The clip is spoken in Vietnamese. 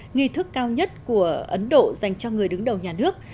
nghi thức cao nhất của ấn độ dành cho người đứng đầu nhà nước